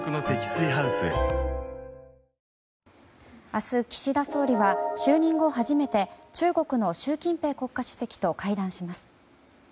明日、岸田総理は就任後初めて中国の習近平国家主席と会談します。